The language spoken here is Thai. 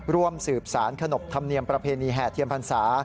ร่วมสืบสารขนบธรรมเนียมประเพณีแห่เทียนพรรษา